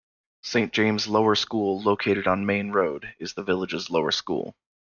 Saint James' Lower School, located on Main Road, is the village's lower school.